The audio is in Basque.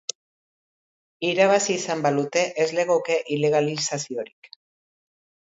Irabazi izan balute, ez legoke ilegalizaziorik.